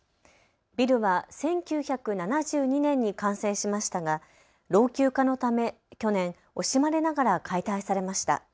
ビルは１９７２年に完成しましたが老朽化のため去年、惜しまれながら解体されました。